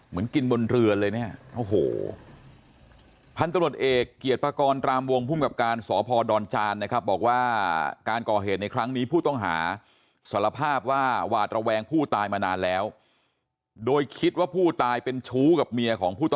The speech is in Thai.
เมืองินบนเรือนเลยเนี่ย